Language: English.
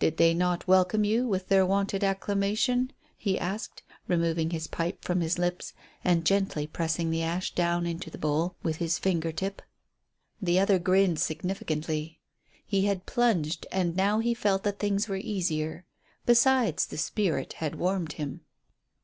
"Did they not welcome you with their wonted acclamation?" he asked, removing his pipe from his lips, and gently pressing the ash down into the bowl with his finger tip. The other grinned significantly. He had plunged, and now he felt that things were easier. Besides, the spirit had warmed him.